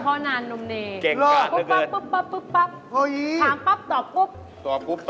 แก้วอะไรครับ